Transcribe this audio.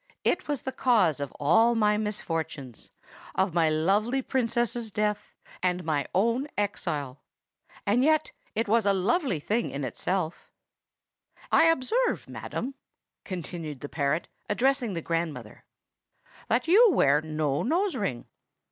It was the cause of all my misfortunes,—of my lovely Princess's death and my own exile. And yet it was a lovely thing in itself. "I observe, madam," continued the parrot, addressing the grandmother, "that you wear no nose ring.